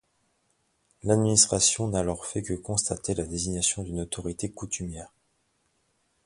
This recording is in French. L’administration n’a alors fait que constater la désignation d’une autorité coutumière.